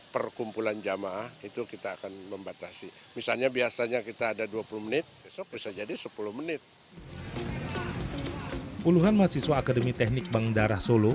puluhan mahasiswa akademi teknik bang darah solo